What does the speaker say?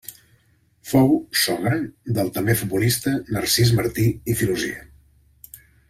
Fou sogre del també futbolista Narcís Martí i Filosia.